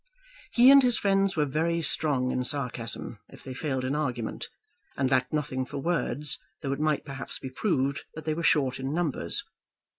He and his friends were very strong in sarcasm, if they failed in argument, and lacked nothing for words, though it might perhaps be proved that they were short in numbers.